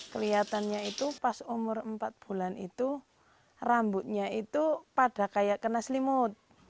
kelihatannya itu pas umur empat bulan itu rambutnya itu pada kayak kena selimut